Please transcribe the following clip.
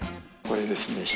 これですね。